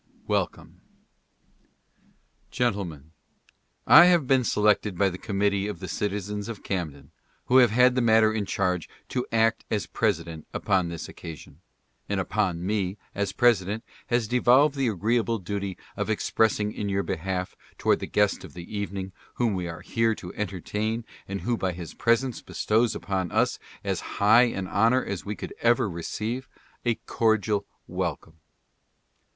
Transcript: WELCOME. Gentlemen :— I have been selected by the committee of the citizens of Camden who have had the matter in charge to act as president upon this occasion, and upon me, as president, has devolved the agreeable duty of expressing in your behalf toward the guest of the evening, whom we are here to entertain and who by his presence bestows upon us as high an honor as we could ever receive, a cordial welcome.